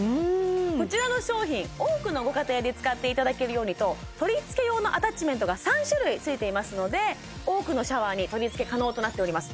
こちらの商品多くのご家庭で使っていただけるようにと取り付け用のアタッチメントが３種類ついていますので多くのシャワーに取り付け可能となっております